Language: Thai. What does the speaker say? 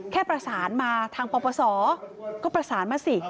แค่ประสานมาทางปปศก็ประสานมาสิ